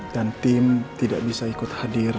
dan tim tidak bisa ikut hadir